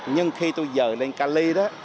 nhưng khi tôi dời lên cali đó